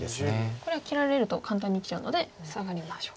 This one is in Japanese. これは切られると簡単に生きちゃうのでサガりましょうか。